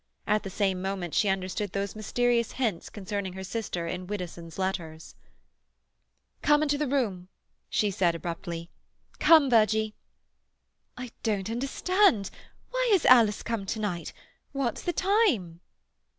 At the same moment she understood those mysterious hints concerning her sister in Widdowson's letters. "Come into the room," she said abruptly. "Come, Virgie." "I don't understand—why has Alice come to night?—what's the time?"